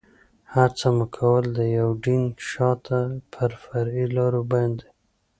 هڅه مو کول، د یوډین شاته پر فرعي لارو باندې.